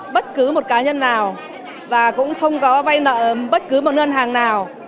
bất cứ một cá nhân nào và cũng không có vay nợ bất cứ một ngân hàng nào